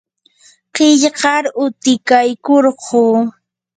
qillqar utikaykurquu.